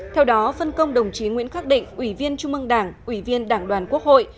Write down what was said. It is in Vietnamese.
theo đó phân công đồng chí nguyễn khắc định ủy viên trung mương đảng ủy viên đảng đoàn quốc hội